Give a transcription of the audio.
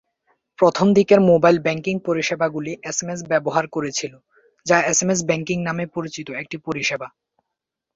প্রথম দিকের mobile banking পরিষেবাগুলি এসএমএস ব্যবহার করেছিল, যা এসএমএস ব্যাংকিং নামে পরিচিত একটি পরিষেবা।